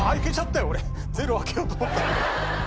０開けようと思ったのに。